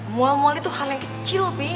mual mual itu hal yang kecil bi